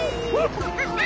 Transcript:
ハハハッ！